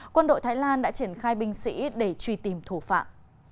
quân đội thái lan đã triển khai binh sĩ để truy tìm thủ phạm